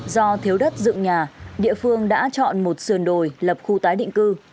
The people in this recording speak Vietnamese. do thiếu đất dựng nhà địa phương đã chọn một sườn đồi lập khu tái định cư